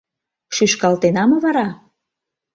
Шӱшкалтена мо вара.